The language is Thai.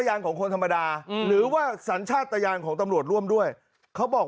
ยางของคนธรรมดาหรือว่าสัญชาติตะยานของตำรวจร่วมด้วยเขาบอก